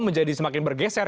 menjadi semakin bergeser